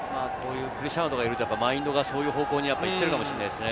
クリスティアーノがいるとマインドがそういう方向に行ってるかもしれないですね。